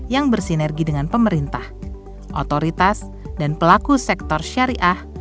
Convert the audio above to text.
yang bersinergi dengan pemerintah otoritas dan pelaku sektor syariah